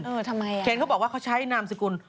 เออทำไมอะเขาบอกว่าเขาใช้นามสกุล